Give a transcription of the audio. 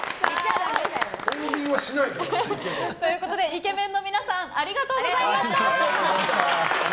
イケメンの皆さんありがとうございました。